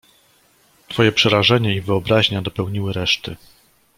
"Twoje przerażenie i wyobraźnia dopełniły reszty."